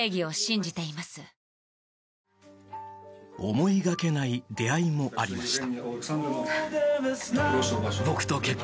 思いがけない出会いもありました。